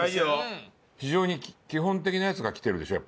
非常に基本的なやつがきてるでしょ